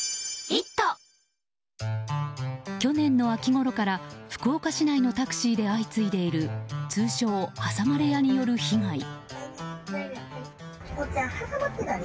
去年の秋ごろから福岡市内のタクシーで相次いでいる通称、挟まれ屋による被害。